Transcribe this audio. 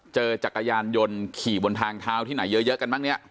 จักรยานยนต์ขี่บนทางเท้าที่ไหนเยอะกันบ้างเนี่ย